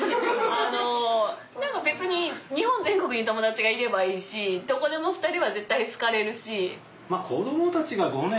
あの何か別に日本全国に友達がいればいいしどこでも２人は絶対好かれるし。